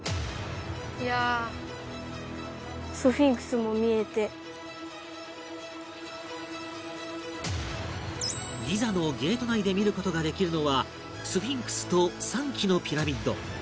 まずギザのゲート内で見る事ができるのはスフィンクスと３基のピラミッド